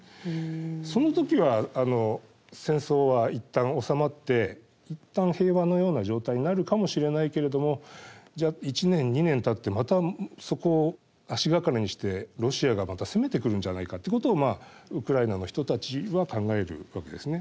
その時は戦争はいったん収まっていったん平和のような状態になるかもしれないけれどもじゃあ１年２年たってまたそこを足掛かりにしてロシアがまた攻めてくるんじゃないかっていうことをウクライナの人たちは考えるわけですね。